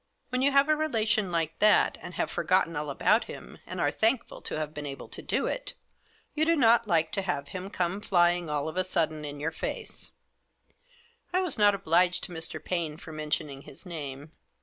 When you have a relation like thati and have forgotten all about him, and are thankful to have been able to do it, you do not like to have him come flying, all of a sudden, in your face, I was not obliged to Mr. Paine for mentioning his name.